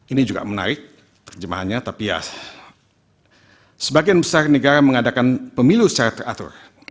ini juga menarik terjemahannya tapi ya sebagian besar negara mengadakan pemilu secara teratur